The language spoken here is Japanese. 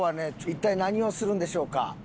一体何をするんでしょうか？